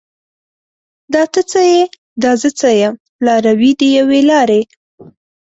دا ته څه یې؟ دا زه څه یم؟ لاروي د یوې لارې